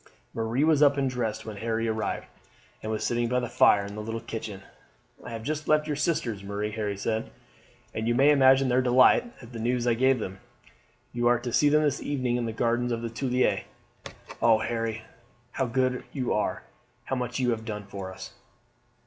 Marie was up and dressed when Harry arrived, and was sitting by the fire in the little kitchen. "I have just left your sisters, Marie," Harry said, "and you may imagine their delight at the news I gave them. You are to see them this evening in the gardens of the Tuileries." "Oh, Harry, how good you are! How much you have done for us!"